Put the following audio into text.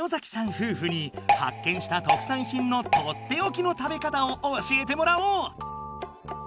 ふうふにハッケンした特産品のとっておきの食べ方を教えてもらおう！